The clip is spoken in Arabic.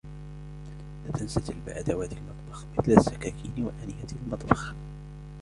لا تنس جلب أدوات المطبخ ؛ مثل: السكاكين ، وآنية الطبخ.